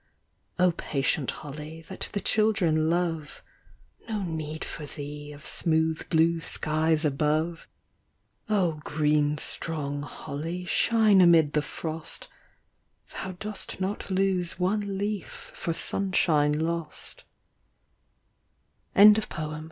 Oh patient holly, that the children love, No need for thee of smooth blue skies above : Oh green strong holly, shine amid the frost ; Thou dost not lose one leaf for sunshine lost 144 MARJORY.